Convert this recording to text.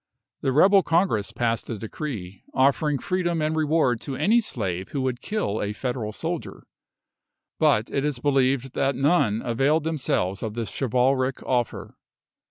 The rebel Congress passed a decree, offering freedom and reward to any slave who would kill a Federal soldier; but it is believed that none availed themselves of this chivalric offer.